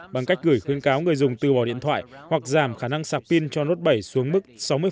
bằng cách gửi khuyến cáo người dùng từ bỏ điện thoại hoặc giảm khả năng sạc pin cho nốt bảy xuống mức sáu mươi